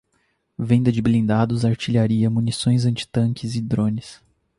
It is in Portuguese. Venda de blindados, artilharia, munições antitanques e drones